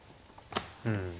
うん。